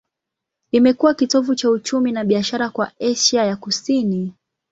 Imekuwa kitovu cha uchumi na biashara kwa Asia ya Kusini.